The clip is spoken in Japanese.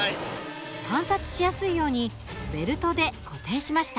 観察しやすいようにベルトで固定しました。